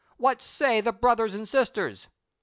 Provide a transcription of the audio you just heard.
What say the brothers and sisters ?